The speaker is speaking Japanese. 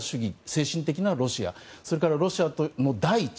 精神的なロシアそれからロシアの大地